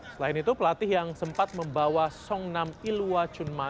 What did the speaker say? selain itu pelatih yang sempat membawa songnam ilwa chunma